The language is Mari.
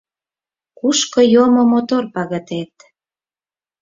Кушко йомо мотор пагытет?